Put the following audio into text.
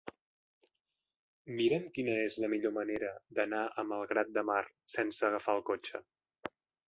Mira'm quina és la millor manera d'anar a Malgrat de Mar sense agafar el cotxe.